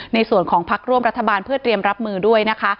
ในส่วนของพักร่วมรัฐบาลเพื่อเตรียมรับมือด้วยนะคะ